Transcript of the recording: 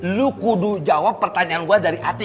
lo kudu jawab pertanyaan gue dari hati